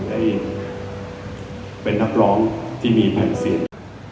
ได้เป็นนักร้องที่มีแผ่นเสียง